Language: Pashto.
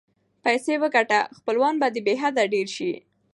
پیسې وګټه خپلوان به دې بی حده ډېر سي.